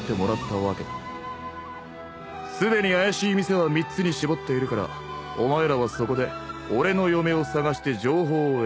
すでに怪しい店は３つに絞っているからお前らはそこで俺の嫁を捜して情報を得る。